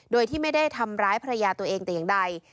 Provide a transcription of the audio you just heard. โดยที่ไม่ได้ทำร้ายภรรยาตัวเองแต่อย่างใด